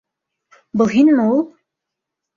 Был һинме ул?